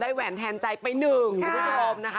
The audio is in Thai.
ได้แหวนแทนใจไป๑ผู้ชมนะค่ะ